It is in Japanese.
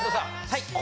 はい。